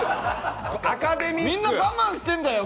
みんな我慢してんだよ！